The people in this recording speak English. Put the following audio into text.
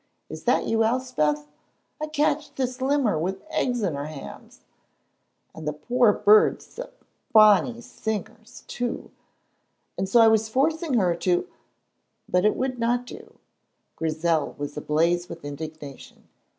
Is that you, Elspeth? I catched this limmer wi' eggs in her hands (and the poor birds sic bonny singers, too!), and so I was forcing her to " But it would not do. Grizel was ablaze with indignation.